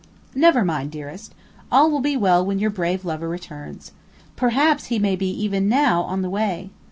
"Never mind, dearest; all will be well when your brave lover returns. Perhaps he may be even now on the way.